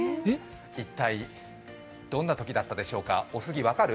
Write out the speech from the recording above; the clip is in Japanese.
一体、どんなときだったでしょうかおすぎ、分かる？